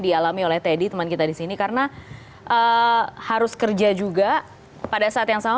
dialami oleh teddy teman kita di sini karena harus kerja juga pada saat yang sama